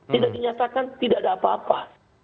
tidak dinyatakan tidak ada apa apa